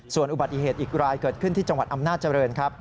ส่วนอุบัติเหตุอีกรายเกิดขึ้นที่จังหวัดอำนาจเจริญครับ